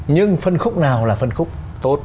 nhưng phân khúc nào là phân khúc tốt